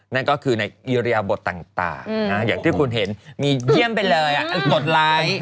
นั่นก็คือในอิริยบทต่างอย่างที่คุณเห็นมีเยี่ยมไปเลยกดไลค์